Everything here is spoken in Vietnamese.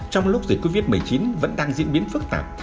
trong lúc dịch covid một mươi chín vẫn đang diễn biến phức tạp